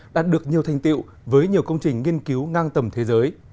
đạt được nhiều thành tiệu với nhiều công trình nghiên cứu ngang tầm thế giới